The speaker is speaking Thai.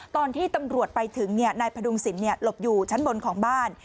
ตอนที่ตำรวจไปถึงนายพดุงศิลปหลบอยู่ชั้นบนของบ้าน